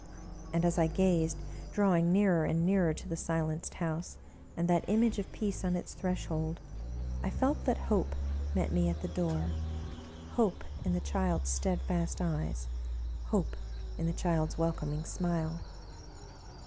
And as I gazed, drawing nearer and nearer to the silenced house, and that Image of Peace on its threshold, I felt that Hope met me at the door — Hope in the child's steadfast eyes, Hope in the child's welcoming smile!